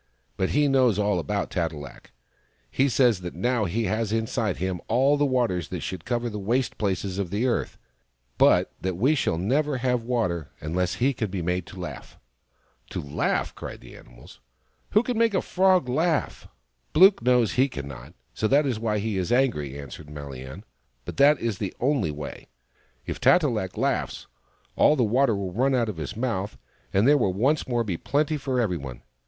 But he knows all about Tat e lak. He says that now he has inside him all the waters that should cover the waste places of the earth, but that we shall never have water unless he can be made to laugh !"" To laugh !" cried the animals. " Who can make a Frog laugh ?"" Blook knows he cannot, so that is why he is angry," answered MaHan. " But that is the only way. If Tat e lak laughs, all the water will run out of his mouth, and there will once more be plenty for every one.